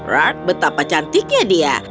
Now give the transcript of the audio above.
rat betapa cantiknya dia